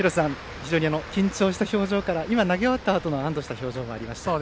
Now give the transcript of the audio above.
非常に緊張した表情から投げ終わったあとの安どした表情もありました。